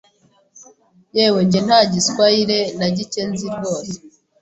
Yewe nge nta giswayire na gike nzi rwose!